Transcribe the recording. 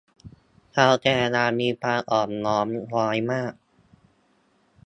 ชาวแคนาดามีความอ่อนน้อมน้อยมาก